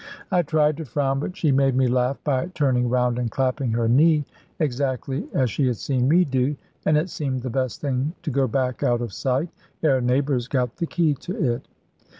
I tried to frown, but she made me laugh by turning round and clapping her knee, exactly as she had seen me do; and it seemed the best thing to go back out of sight, ere neighbours got the key to it.